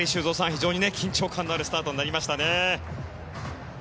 非常に緊張感のあるスタートになりましたね。